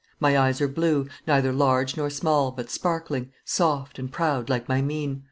My eyes are blue, neither large nor small, but sparkling, soft, and proud, like my mien.